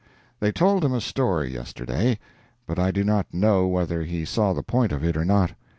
They told him a story, yesterday, but I do not know whether he saw the point of it or not.